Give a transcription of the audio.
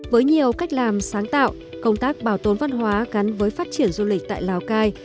với nhiều cách làm sáng tạo công tác bảo tồn văn hóa gắn với phát triển du lịch tại lào cai